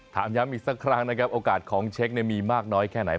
ถามย้ำอีกสักครั้งนะครับโอกาสของเช็คมีมากน้อยแค่ไหน